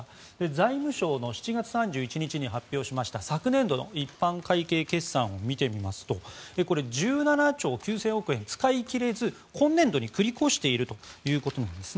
財務省の７月３１日に発表しました昨年度の一般会計決算を見てみますとこれ、１７兆９０００億円を使い切れず今年度に繰り越しているということです。